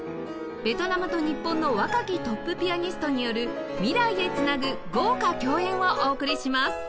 ベトナムと日本の若きトップピアニストによる未来へ繋ぐ豪華共演をお送りします